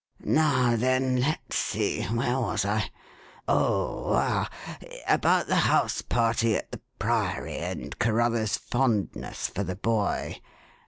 Now, then, let's see where was I? Oh, ah! about the house party at the Priory and Carruthers' fondness for the boy.